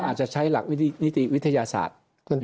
มันจะใช้หลักนิตยาศาสน์